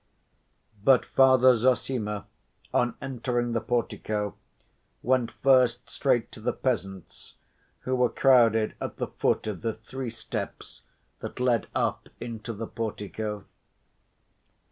But Father Zossima, on entering the portico, went first straight to the peasants who were crowded at the foot of the three steps that led up into the portico.